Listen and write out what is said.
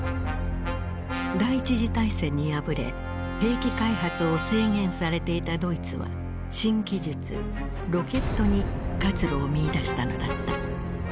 第一次大戦に敗れ兵器開発を制限されていたドイツは新技術ロケットに活路を見いだしたのだった。